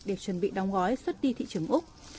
để chuẩn bị đóng gói xuất đi thị trường úc